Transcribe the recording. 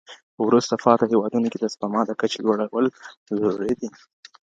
په وروسته پاته هېوادونو کي د سپما د کچې لوړول ضروري دي.